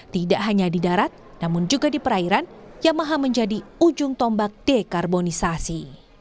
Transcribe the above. tidak hanya di darat namun juga di perairan yamaha menjadi ujung tombak dekarbonisasi